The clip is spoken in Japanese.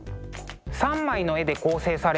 ３枚の絵で構成されている